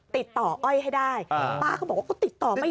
อ้อยให้ได้ป้าก็บอกว่าก็ติดต่อไม่ได้